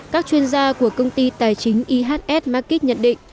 các chuyên gia của công ty tài chính ihs market nhận định